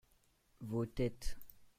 vos têtes.